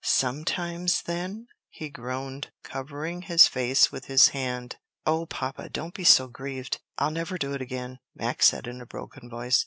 sometimes, then?" he groaned, covering his face with his hand. "O papa, don't be so grieved! I'll never do it again," Max said in a broken voice.